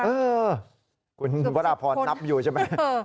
เออคุณพระราพรนับอยู่ใช่ไหม